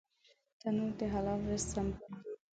تنور د حلال رزق سمبول دی